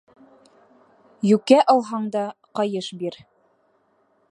Йүкә алһаң да, ҡайыш бир.